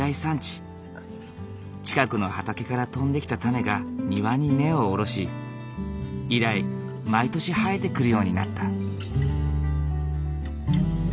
近くの畑から飛んできた種が庭に根を下ろし以来毎年生えてくるようになった。